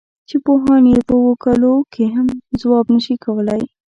چې پوهان یې په اوو کالو کې هم ځواب نه شي کولای.